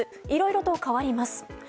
いろいろと変わります。